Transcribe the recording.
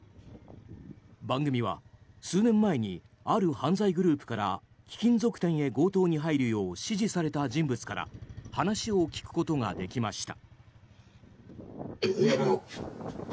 番組は、数年前にある犯罪グループから貴金属店へ強盗に入るよう指示された人物から話を聞くことができました。